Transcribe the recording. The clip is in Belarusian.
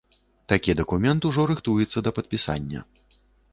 Такі дакумент ужо рыхтуецца да падпісання.